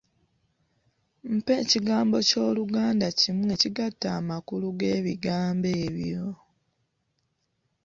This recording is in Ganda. Mpa ekigambo ky'Oluganda kimu ekigatta amakulu g'ebigambo ebyo.